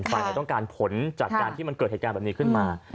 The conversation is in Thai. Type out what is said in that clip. ฝ่ายไหนต้องการผลจากการที่มันเกิดเหตุการณ์แบบนี้ขึ้นมา